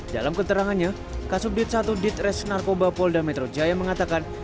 dalam keterangannya kasus dit satu dit res narkoba polda metro jaya mengatakan